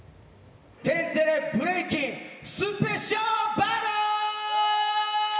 「天てれブレイキン」スペシャルバトール！